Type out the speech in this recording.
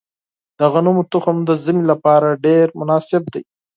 د غنمو تخم د ژمي لپاره ډیر مناسب دی.